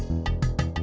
saya sudah selesai